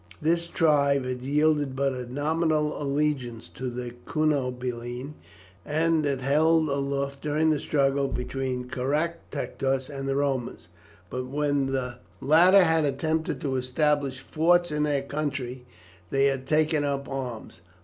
This tribe had yielded but a nominal allegiance to Cunobeline, and had held aloof during the struggle between Caractacus and the Romans, but when the latter had attempted to establish forts in their country they had taken up arms.